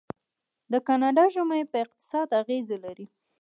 د کاناډا ژمی په اقتصاد اغیز لري.